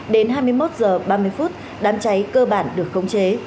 đến hai mươi một giờ ba mươi phút đám cháy cơ bản được khống chế